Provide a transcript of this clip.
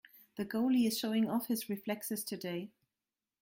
The goalie is showing off his reflexes today.